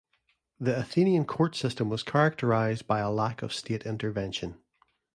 The Athenian court system was characterized by a lack of state intervention.